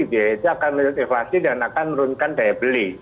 dia itu akan menurun inflasi dan akan menurunkan daya beli